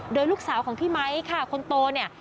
โดยลูกสาวของพี่ไมค์ค่ะคนโตเนี่ย